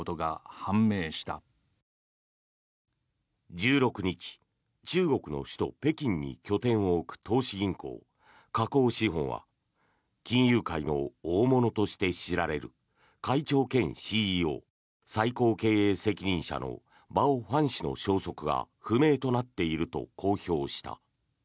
１６日、中国の首都・北京に拠点を置く投資銀行華興資本は金融界の大物として知られる会長兼ＣＥＯ・最高経営責任者のバオ・ファン氏の消息が不明となっていると公表した。